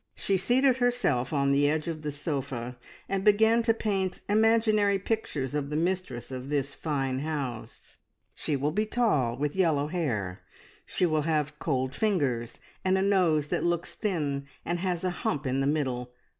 She seated herself on the edge of the sofa and began to paint imaginary pictures of the mistress of this fine house. "She will be tall, with yellow hair. She will have cold fingers and a nose that looks thin and has a hump in the middle.